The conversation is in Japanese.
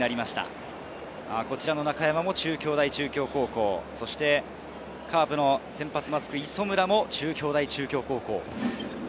中山も中京大中京高校、カープの先発マスク・磯村も中京大中京高校。